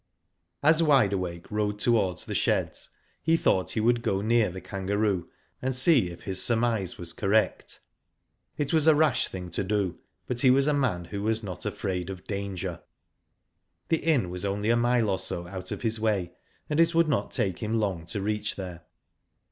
As Wide Awake rode towards the sheds, he thought he would go near " The Kangaroo " and see if his surmise was correct. It was a rash thing to do, but he was a man who was not afraid of danger. The inn was only a mile or so out of his way, and it would not take him long to reach there.